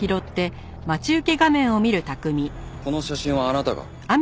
この写真はあなたが？